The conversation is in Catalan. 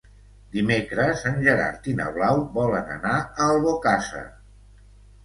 Dimecres en Gerard i na Blau volen anar a Albocàsser.